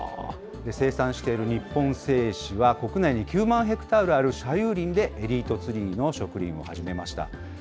生産している日本製紙は、国内に９万ヘクタールある社有林でエリートツリーの植林を始めました。